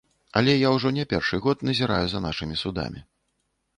Але я ўжо не першы год назіраю за нашымі судамі.